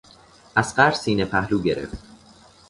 اصغر سینه پهلو گرفت.